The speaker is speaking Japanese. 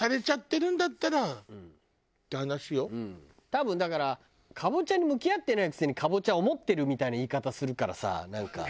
多分だからカボチャに向き合ってないくせにカボチャを思ってるみたいな言い方するからさなんか。